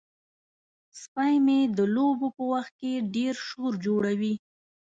سپی مې د لوبو په وخت کې ډیر شور جوړوي.